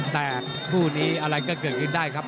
แต่คู่นี้อะไรก็เกิดขึ้นได้ครับ